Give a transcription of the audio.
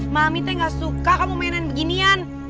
mami teh gak suka kamu mainin beginian